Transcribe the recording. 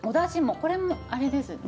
これもあれですよね？